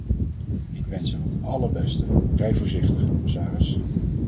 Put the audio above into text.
Ik wens hem het allerbeste – rij voorzichtig, commissaris!